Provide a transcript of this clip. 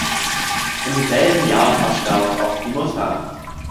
Im selben Jahr verstarb auch die Mutter.